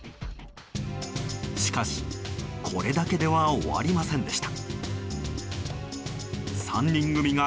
しかし、これだけでは終わりませんでした。